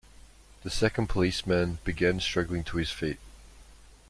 The second policeman began struggling to his feet.